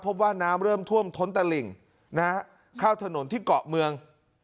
พบว่าน้ำเริ่มท่วมท้นตะหลิ่งนะฮะเข้าถนนที่เกาะเมือง